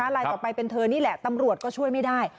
ลายต่อไปเป็นเธอนี่แหละตำรวจก็ช่วยไม่ได้